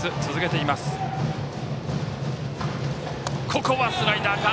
ここはスライダーか。